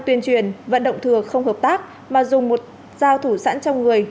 tuyên truyền vận động thừa không hợp tác mà dùng một dao thủ sẵn trong người